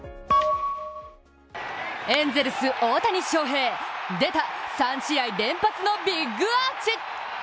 エンゼルス・大谷翔平出た、３試合連続のビッグアーチ！